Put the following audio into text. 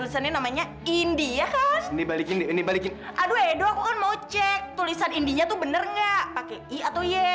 sampai jumpa di video selanjutnya